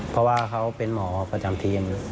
เพราะว่าเขาเป็นหมอประจำทีม